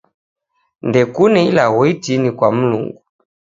Ndekune ilagho itini kwa Mlungu.